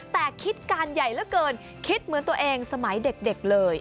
แต่คิดการใหญ่เหลือเกินคิดเหมือนตัวเองสมัยเด็กเลย